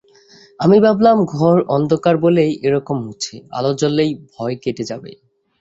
আমি ভাবলাম ঘর অন্ধকার বলেই এ-রকম হচ্ছে, আলো জ্বললেই ভয় কেটে যাবে।